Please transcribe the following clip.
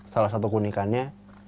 salah satu kunikannya